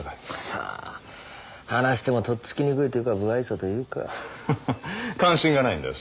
さあ話してもとっつきにくいというか無愛想というかはは関心がないんだよ